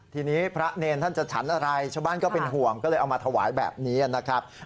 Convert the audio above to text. ทีนี้พระเนรท่านจะฉันอะไรชาวบ้านก็เป็นห่วงก็เลยเอามาถวายแบบนี้นะครับ